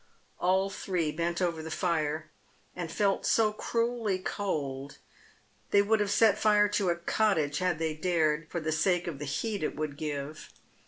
Ail three bent over the fire, and felt so cruelly cold they would have set fire to a cottage had they dared, for the sake of the heat it would give.